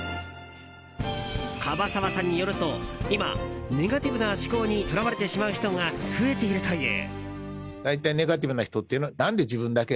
樺沢さんによると今、ネガティブな思考にとらわれてしまう人が増えているという。